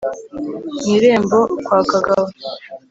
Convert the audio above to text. Mu irembo kwa Kagabo